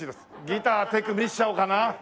ギターテク見せちゃおうかな